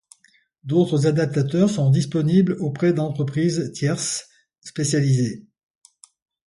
D'autres adaptateurs sont disponibles auprès d'entreprises tierces spécialisées.